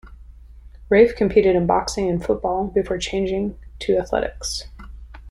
Reiff competed in boxing and football before changing to athletics.